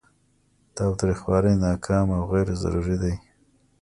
تاوتریخوالی ناکام او غیر ضروري دی.